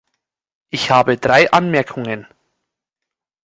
Ich habe drei Anmerkungen.